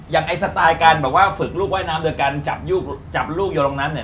อย่างไอ้สไตล์การฝึกลูกว่ายน้ำโดยการจับลูกอยู่ลงนั้นเนี่ย